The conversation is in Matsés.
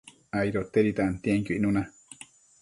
aidotedi tantienquio icnuna